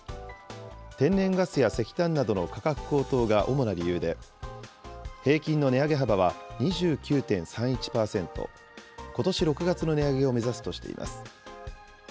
天然ガスや石炭などの価格高騰が主な理由で、平均の値上げ幅は２９．３１％、ことし６月の値上げを目指すとしています。